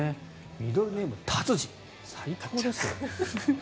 ミドルネーム、タツジ最高ですよね。